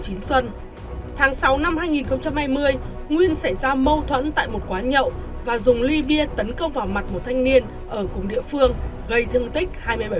tháng sáu năm hai nghìn hai mươi nguyên xảy ra mâu thuẫn tại một quán nhậu và dùng ly bia tấn công vào mặt một thanh niên ở cùng địa phương gây thương tích hai mươi bảy